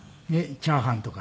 チャーハンとか。